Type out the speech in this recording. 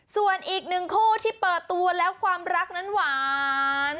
ส่วนอีกหนึ่งคู่ที่เปิดตัวแล้วความรักนั้นหวาน